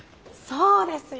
そうですよ。